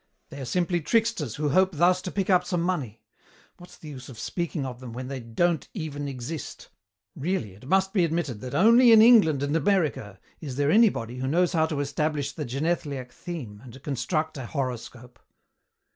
They are simply tricksters who hope thus to pick up some money. What's the use of speaking of them when they don't even exist! Really it must be admitted that only in England and America is there anybody who knows how to establish the genethliac theme and construct a horoscope."